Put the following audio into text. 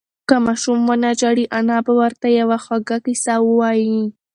که ماشوم ونه ژاړي، انا به ورته یوه خوږه قصه ووایي.